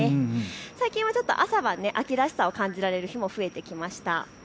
最近はちょっと朝晩、秋らしさを感じられる日も増えてきました。